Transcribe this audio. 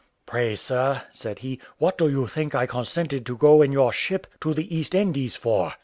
"Pray, sir," said he, "what do you think I consented to go in your ship to the East Indies for?"